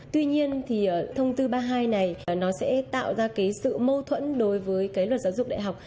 tuy nhiên thì thông tư ba mươi hai này nó sẽ tạo ra cái sự mâu thuẫn đối với cái luật giáo dục đại học